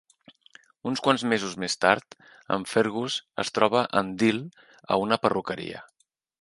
Uns quants mesos més tard, en Fergus es troba en Dil a una perruqueria.